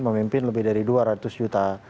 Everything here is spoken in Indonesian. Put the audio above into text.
memimpin lebih dari dua ratus juta